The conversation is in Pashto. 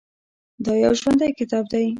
دا یو ژوندی کتاب دی.